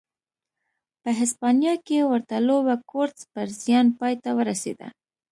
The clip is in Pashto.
په هسپانیا کې ورته لوبه کورتس پر زیان پای ته ورسېده.